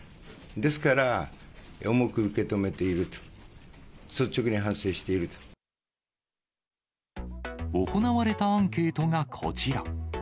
ですから、重く受け止めていると、行われたアンケートがこちら。